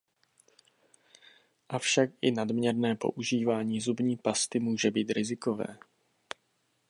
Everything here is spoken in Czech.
Avšak i nadměrné používání zubní pasty může být rizikové.